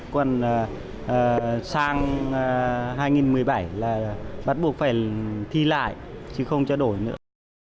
còn sang hai nghìn một mươi bảy là bắt buộc phải thi lại chứ không trao đổi nữa